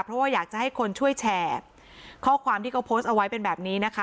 เพราะว่าอยากจะให้คนช่วยแชร์ข้อความที่เขาโพสต์เอาไว้เป็นแบบนี้นะคะ